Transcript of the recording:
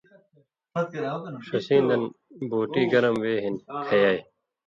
ݜسیں دن بُوٹی گرم وے ہِن کھیائ